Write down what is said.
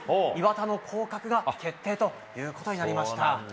磐田の降格が決定ということになりました。